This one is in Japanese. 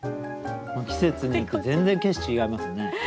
季節によって全然景色違いますね。